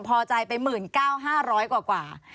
พอใจไป๑๙๕๐๐กว่า